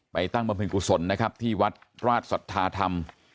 ตั้งบำเพ็ญกุศลนะครับที่วัดราชสัทธาธรรม